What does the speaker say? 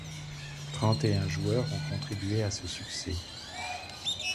Trente et un joueurs ont contribué à ce succès.